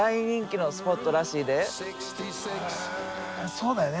そうだよね